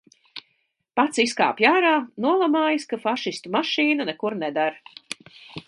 Pats izkāpj ārā, nolamājas, ka fašistu mašīna nekur neder.